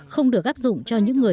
không được áp dụng cho những người